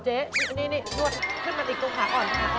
เจ๊นิดนวดขึ้นมาอีกตัวขาดก่อน